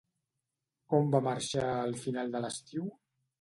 Com va marxar el final de l'estiu?